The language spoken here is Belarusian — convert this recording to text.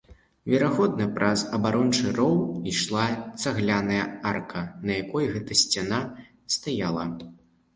Верагодна, праз абарончы роў ішла цагляная арка, на якой гэта сцяна стаяла.